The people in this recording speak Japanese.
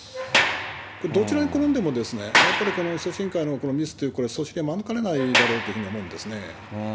どちらに転んでもやっぱりこの組織委員会のミスという、そしりは免れないだろうと思うんですね。